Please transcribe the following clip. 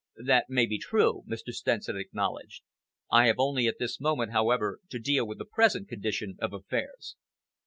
"That may be true," Mr. Stenson acknowledged. "I have only at this moment, however, to deal with the present condition of affairs.